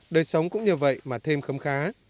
đời sống cũng như vậy mà thêm khấm khá